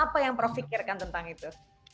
apa yang profikirkan tentang itu